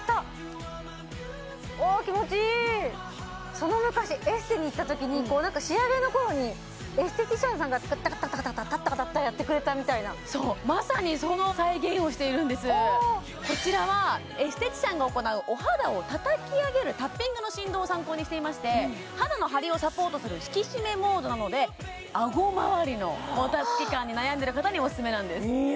その昔エステに行った時にこう何か仕上げの頃にエステティシャンさんがタッタカタッタタッタカタッタやってくれたみたいなそうまさにその再現をしているんですこちらはエステティシャンが行うお肌をたたきあげるタッピングの振動を参考にしていまして肌のハリをサポートする引き締めモードなのであごまわりのもたつき感に悩んでる方におすすめなんです